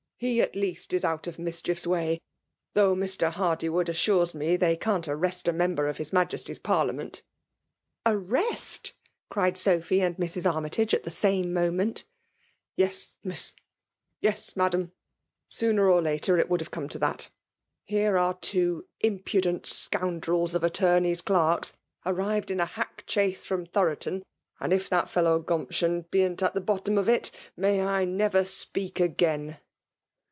— He, at least, is out of mischiefs way ; though Mr. Hardywood assures me they can't arrest a member of his Majesty's parliament" " Arrest f* cried Sophy and Mrs. Armytage at the same moment. . FEMALE DOMINATION. 225 '* Yen, Miss — ^yes^ Madam. Sooner or later it would hJEure come to that. Here are two im pudent Bcoimdrels of attorney's clerks arrived in a hack chaise from Thoroton ; and if that fellow Gumption be*n't at the bottom of it, may I never speak again